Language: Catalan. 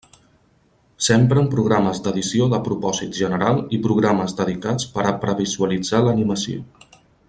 S'empren programes d'edició de propòsit general i programes dedicats per a previsualitzar l'animació.